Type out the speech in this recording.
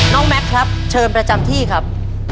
น้องแม็คครับเชิญประจำที่ครับ